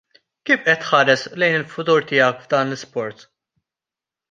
Kif qed tħares lejn il-futur tiegħek f'dan l-isport?